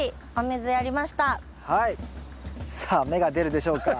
さあ芽が出るでしょうか。